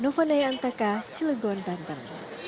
novo ndaya antaka cilgon banten